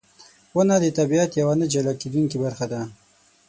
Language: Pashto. • ونه د طبیعت یوه نه جلا کېدونکې برخه ده.